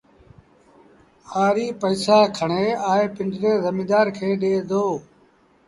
هآريٚ پئيٚسآ کڻي آئي پنڊري زميدآر ڏي دو